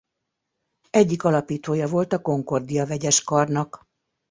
Egyik alapítója volt a Concordia vegyes karnak.